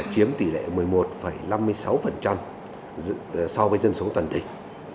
chiếm tỷ lệ một mươi một năm mươi sáu so với dân số toàn tỉnh